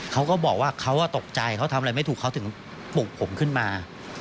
เขาก็บอกว่าเขาตกใจเขาทำอะไรไม่ถูกเขาถึงปลุกผมขึ้นมา